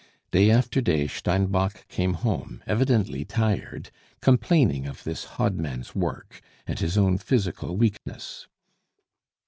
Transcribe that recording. Day after day Steinbock came home, evidently tired, complaining of this "hodman's work" and his own physical weakness.